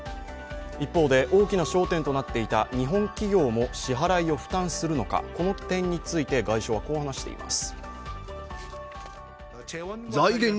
一方で大きな焦点となっていた日本企業も支払いを負担するのか、この点について外相はこう話しています。